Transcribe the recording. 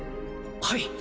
はい